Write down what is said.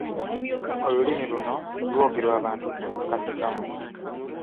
Olulimi luno lwogerwa abantu akakadde kamu.